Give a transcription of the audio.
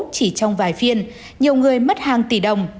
chỉ trong vài phiên nhiều người mất hàng tỷ đồng